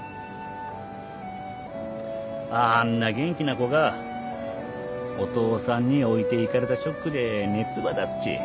あんな元気な子がお父さんに置いていかれたショックで熱ば出すち。